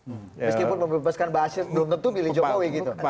meskipun membebaskan pak ba'asyir belum tentu memilih jokowi gitu